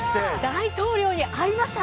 大統領に会いました。